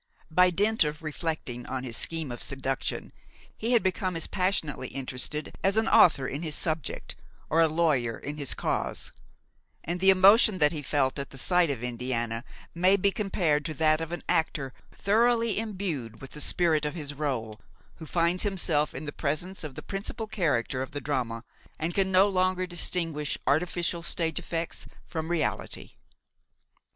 By dint of reflecting on his scheme of seduction he had become as passionately interested as an author in his subject or a lawyer in his cause, and the emotion that he felt at the sight of Indiana may be compared to that of an actor thoroughly imbued with the spirit of his role who finds himself in the presence of the principal character of the drama and can no longer distinguish artificial stage effects from reality.